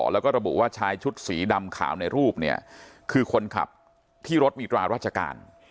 แล้วก็ระบุว่าชายชุดสีดำขาวในรูปเนี่ยคือคนขับที่รถมีตราราชการ